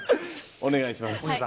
お願いします。